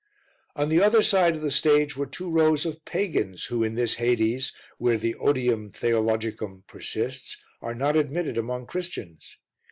On the other side of the stage were two rows of pagans who in this hades, where the odium theologicum persists, are not admitted among Christians.